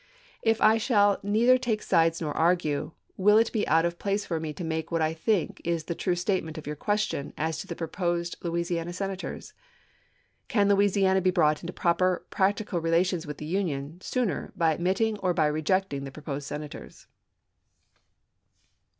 If I shall neither take sides nor argue, will it be out of place for me to make what I think is the true statement of your question as to the proposed Louisiana Senators ?" Can Louisiana be brought into proper practical rela Trumbuii, tions with the Union, sooner, by admitting or by rejecting an*Ms. ' the proposed Senators